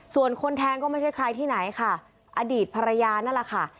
ส่วนคนแทงก็ไม่ใช่ใครที่ไหนค่ะอดีตภรรยานั่นแหละค่ะ